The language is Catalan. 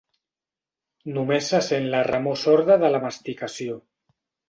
Només se sent la remor sorda de la masticació.